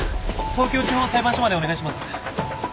東京地方裁判所までお願いします。